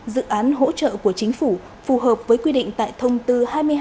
dự án hỗ trợ của chính phủ phù hợp với quy định tại thông tư hai mươi hai hai nghìn một mươi chín